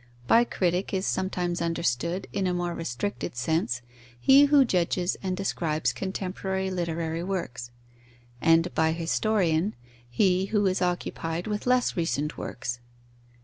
By critic is sometimes understood, in a more restricted sense, he who judges and describes contemporary literary works; and by historian, he who is occupied with less recent works.